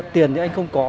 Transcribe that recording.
tiền thì anh không có